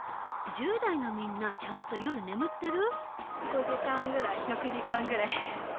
１０代のみんなちゃんと夜眠ってる？